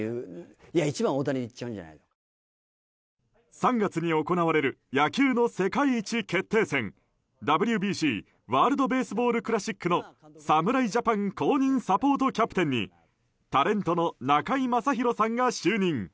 ３月に行われる野球の世界一決定戦ＷＢＣ・ワールド・ベースボール・クラシックの侍ジャパン公認サポートキャプテンにタレントの中居正広さんが就任。